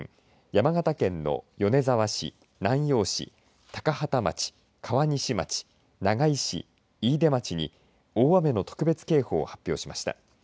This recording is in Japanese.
山形県の米沢市南陽市、高畠町、川西町長井市、飯豊町に大雨の特別警報を発表しました。